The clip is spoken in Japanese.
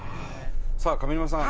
さあ上沼さん